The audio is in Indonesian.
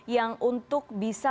yang untuk bisa